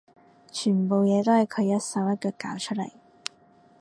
全部嘢都係佢一手一腳搞出嚟